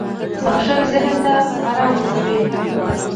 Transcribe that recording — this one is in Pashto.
• بښل ذهن ته آرام ورکوي.